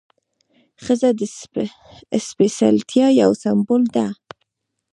ښځه د سپېڅلتیا یو سمبول ده.